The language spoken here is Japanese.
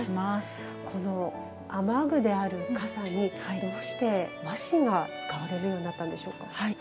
この雨具である傘にどうして和紙が使われるようになったんでしょうか？